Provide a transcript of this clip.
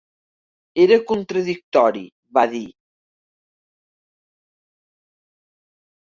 Era contradictori, va dir.